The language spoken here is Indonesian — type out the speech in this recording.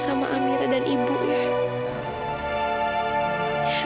sama amirah dan ibu ya